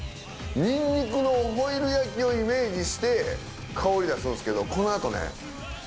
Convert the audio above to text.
ニンニクのホイル焼きをイメージして香り出すんですけどこの後ね